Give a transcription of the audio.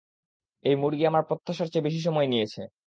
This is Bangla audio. এই মুরগি আমার প্রত্যাশার চেয়ে বেশি সময় নিয়েছে।